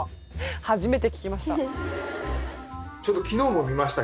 初めて聞きました。